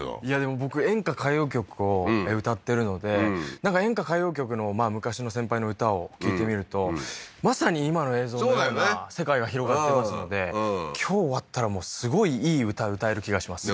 僕演歌歌謡曲を歌ってるのでなんか演歌歌謡曲の昔の先輩の歌を聞いてみるとまさに今の映像のような世界が広がってますので今日終わったらすごいいい歌歌える気がしますね